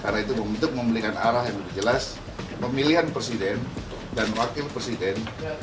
karena itu untuk memiliki arah yang jelas pemilihan presiden dan wakil presiden